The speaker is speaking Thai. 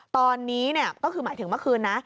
ตอนนี้ก็คือหมายถึงเมื่อคืนนะ